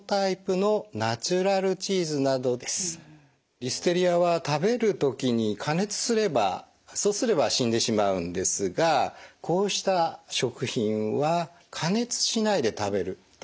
リステリアは食べる時に加熱すればそうすれば死んでしまうんですがこうした食品は加熱しないで食べるというところが特徴になっています。